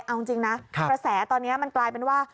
เอาจริงนะกระแสตอนนี้มันกลายเป็นว่า